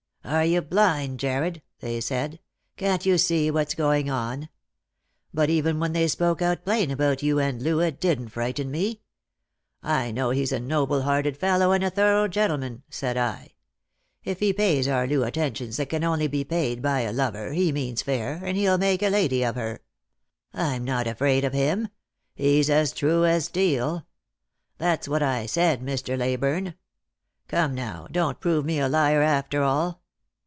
' Are you blind, Jarred?' they said. ' Can't you see what's going on ?' But even when they spoke out plain about you and Loo, it didn't frighten me. ' I know he's a noble hearted fellow and a thorough gentleman,' said I. ' If he pays our Loo attentions that can can only be paid by a lover, he means fair, and he'll make a lady of her. I'm not afraid of him. He's as true as steel.' That's what I said, Mr. Leyburne. Come now, don't prove me a bar after all.